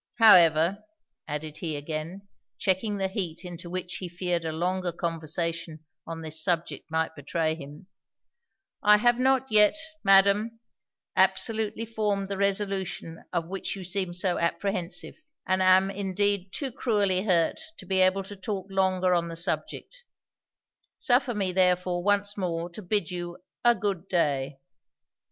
'However,' added he again, checking the heat into which he feared a longer conversation on this subject might betray him 'I have not yet, Madam, absolutely formed the resolution of which you seem so apprehensive; and am indeed too cruelly hurt to be able to talk longer on the subject. Suffer me therefore once more to bid you a good day!'